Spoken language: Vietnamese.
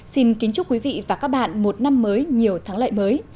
xin kính chúc quý vị và các bạn một năm mới nhiều thắng lợi mới